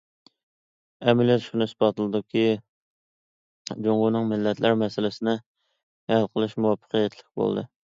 ئەمەلىيەت شۇنى ئىسپاتلىدىكى، جۇڭگونىڭ مىللەتلەر مەسىلىسىنى ھەل قىلىشى مۇۋەپپەقىيەتلىك بولدى.